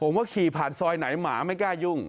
ว่าขี่ผ่านซอยไหนหมาไม่กล้ายุ่ง